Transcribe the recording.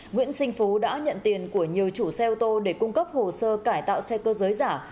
nguyễn sinh phú đã nhận tiền của nhiều chủ xe ô tô để cung cấp hồ sơ cải tạo xe cơ giới giả